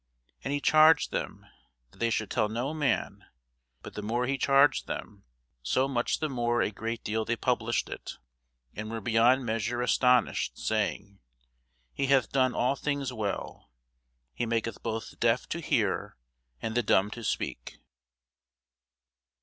And he charged them that they should tell no man: but the more he charged them, so much the more a great deal they published it; and were beyond measure astonished, saying, He hath done all things well: he maketh both the deaf to hear, and the dumb to speak.